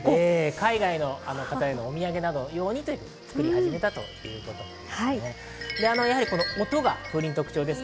海外の方へのお土産などで作り始めたということなんだそうです。